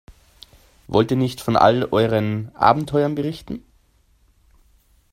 Wollt ihr nicht von all euren Abenteuern berichten?